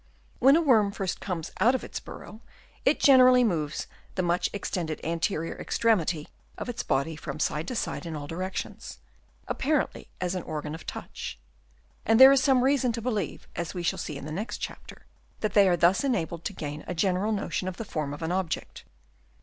When a worm first comes out of its burrow, it generally moves the much ex tended anterior extremity of its body from side to side in all directions, apparently as an organ of touch ; and there is some reasou to believe, as we shall see in the next chapter, that they are thus enabled to gain a general notion of the form of an object.